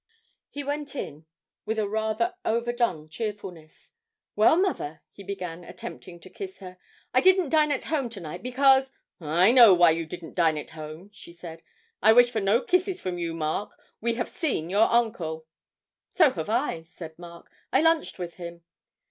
He went in with a rather overdone cheerfulness. 'Well, mother,' he began, attempting to kiss her, 'I didn't dine at home to night because ' 'I know why you didn't dine at home,' she said. 'I wish for no kisses from you, Mark. We have seen your uncle.' 'So have I,' said Mark; 'I lunched with him.'